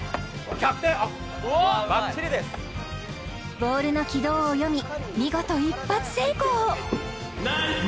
ボールの軌道を読み見事一発成功！